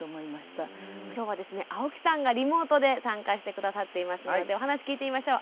きょうはですね青木さんがリモートで参加して下さっていますのでお話聞いてみましょう。